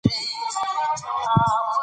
تشبېه قرينې ته اړتیا نه لري.